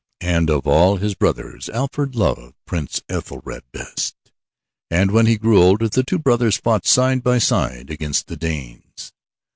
And of all his brothers Alfred loved Prince Ethelred best, and when he grew older the two brothers fought side by side against the Danes.